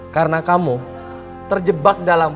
karena kamu terjebak dalam